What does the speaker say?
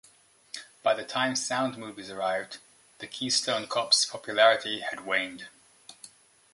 By the time sound movies arrived, the Keystone Cops' popularity had waned.